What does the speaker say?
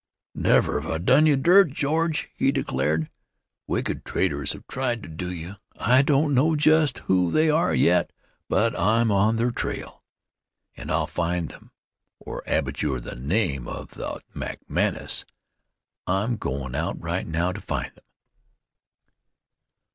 "Never have I done you dirt, George," he declared. "Wicked traitors have tried to do you. I don't know just who they are yet, but I'm on their trail, and I'll find them or abjure the name of 'The' McManus. I'm goin' out right now to find them."